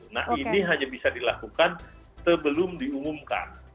nah ini hanya bisa dilakukan sebelum diumumkan